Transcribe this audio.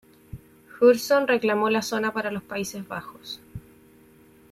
Hudson reclamó la zona para los Países Bajos.